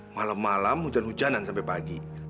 malam malam hujan hujanan sampai pagi